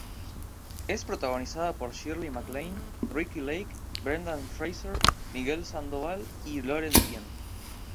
Es protagonizada por Shirley MacLaine, Ricki Lake, Brendan Fraser, Miguel Sandoval y Loren Dean.